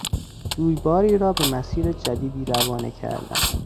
جویباری را به مسیر جدیدی روانه کردن